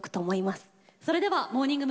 それではモーニング娘。